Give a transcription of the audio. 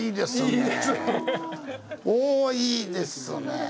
おぉいいですね！